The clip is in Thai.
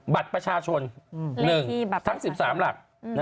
บัตรประชาชน๑ทั้ง๑๓หลัก